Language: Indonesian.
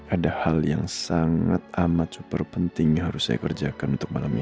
ada hal yang sangat amat super penting yang harus saya kerjakan untuk malam ini